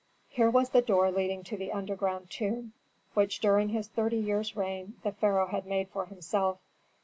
Here was the door leading to the underground tomb which during his thirty years' reign the pharaoh had made for himself.